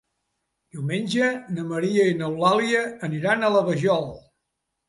Diumenge na Maria i n'Eulàlia aniran a la Vajol.